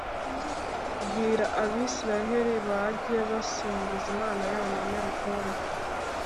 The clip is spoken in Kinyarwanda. Bwira abisiraheri bajye basingiza Imana yonyine rukumbi